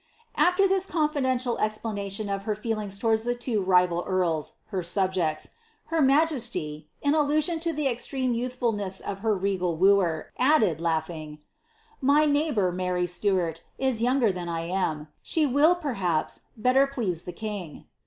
After this confidential explanation of her feelings towards the two rival earls, her subjects, her majesty, in allusion to the extreme yont}iful« ness of her regal wooer, added, laughing, ^ My neighbour, Mary Stuart, is younger than I am ; she will perhaps better please the king."